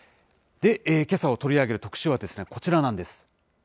で、けさ取り上げる特集は、こちらなんです。